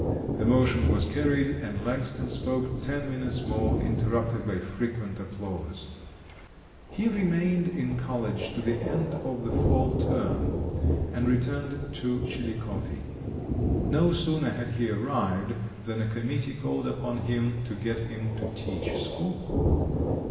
The motion was carried and Langston spoke ten minutes more, interrupted by frequent applause. He remained in college to the end of the fall term, and returned to Chillicothe. No sooner had he arrived, than a committee called upon him to get him to teach school.